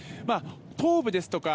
東部ですとか